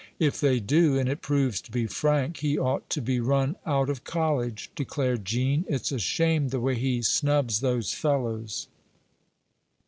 "If they do, and it proves to be Frank, he ought to be run out of college," declared Gene. "It's a shame the way he snubs those fellows."